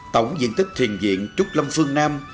tổng diện tức thiền viện trúc lâm phương nam